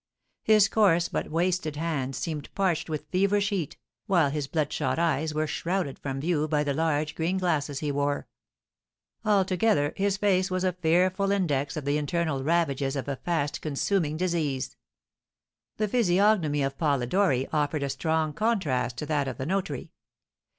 His coarse but wasted hands seemed parched with feverish heat, while his bloodshot eyes were shrouded from view by the large green glasses he wore. Altogether his face was a fearful index of the internal ravages of a fast consuming disease. The physiognomy of Polidori offered a strong contrast to that of the notary.